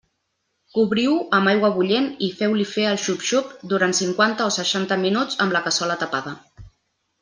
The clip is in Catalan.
Cobriu-ho amb aigua bullent i feu-li fer el xup-xup durant cinquanta o seixanta minuts, amb la cassola tapada.